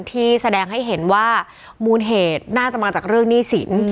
ที่แสดงให้เห็นว่ามูลเหตุน่าจะมาจากเรื่องหนี้สิน